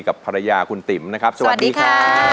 กับภรรยาคุณติ๋มนะครับสวัสดีครับ